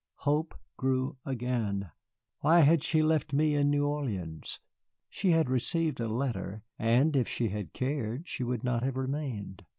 Hope grew again, why had she left me in New Orleans? She had received a letter, and if she had cared she would not have remained.